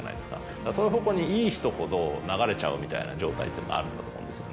そういう方向にいい人ほど流れちゃうみたいな状態っていうのがあるんだと思うんですよね。